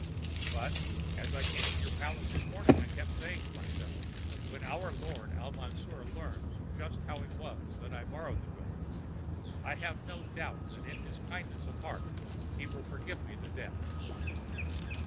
But, as I came to your palace this morning, I kept saying to myself, 'When our lord Al Mansour learns just how it was that I borrowed the gold, I have no doubt that in his kindness of heart he will forgive me the debt.'"